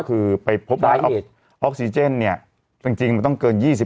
คือไปพบว่าออกซิเจนเนี่ยจริงมันต้องเกิน๒๕